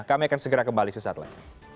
kami akan segera kembali sesaat lagi